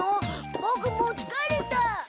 ボクもうつかれた。